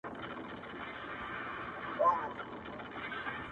كيـسـه يـې ورانــــه كړله وران ســـول ياران”